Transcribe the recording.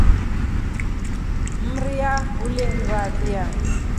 Mria ulingivavia.